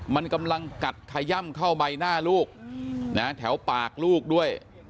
มันกำลังกัดขย่ำเข้าใบหน้าลูกแถวปากลูกด้วย